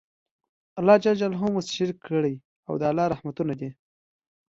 الله ج مو شريک کړی او د الله رحمتونه دي